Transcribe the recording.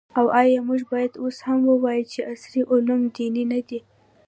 او آیا موږ باید اوس هم ووایو چې عصري علوم دیني نه دي؟